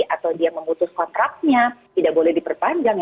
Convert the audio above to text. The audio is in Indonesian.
atau dia memutus kontraknya tidak boleh diperpanjang